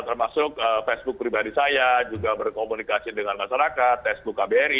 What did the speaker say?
termasuk facebook pribadi saya juga berkomunikasi dengan masyarakat facebook kbri